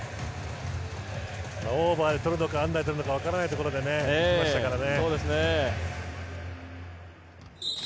オーバーでとるのかアンダーでとるのか分からないところできましたからね。